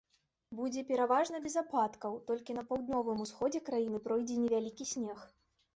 Будзе пераважна без ападкаў, толькі на паўднёвым усходзе краіны пройдзе невялікі снег.